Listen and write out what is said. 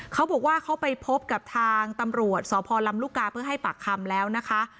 เขาบอกว่าเขาไปพบกับทางตำรวจสพลำลูกกาเพื่อให้ปากคำแล้วนะคะ